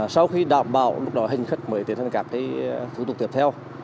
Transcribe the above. sau khi đảm bảo lúc đó hình khắc mới tiến hành cảm thấy thủ tục tiếp theo